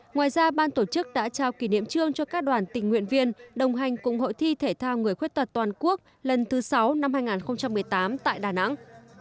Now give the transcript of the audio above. ngoài ra ban tổ chức đã trao kỷ niệm trương cho các đoàn tình nguyện viên đồng hành cùng hội thi thể thao người khuyết tật toàn quốc lần thứ sáu năm hai nghìn một mươi tám tại đà nẵng